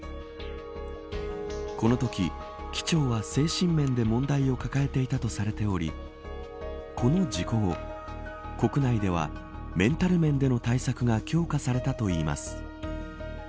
このとき機長は精神面で問題を抱えていたとされておりこの事故後国内ではメンタル面での対策が強化されたといいます。